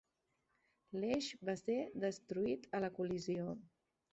L'eix va ser destruït a la col·lisió.